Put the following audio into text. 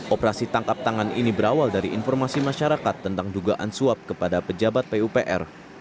operasi tangkap tangan ini berawal dari informasi masyarakat tentang dugaan suap kepada pejabat pupr